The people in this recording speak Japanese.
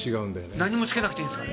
何もつけなくていいんですか。